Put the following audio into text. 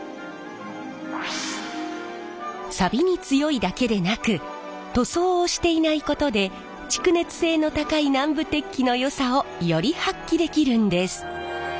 さびに強いだけでなく塗装をしていないことで蓄熱性の高い南部鉄器のよさをより発揮できるんです。